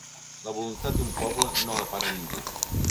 La voluntat d’un poble no la para ningú